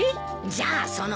じゃあその